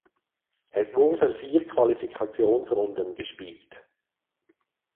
Es wurden vier Qualifikationsrunden gespielt.